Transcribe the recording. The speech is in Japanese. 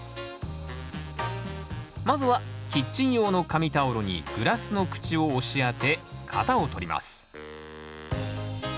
まずはキッチン用の紙タオルにグラスの口を押し当て型をとります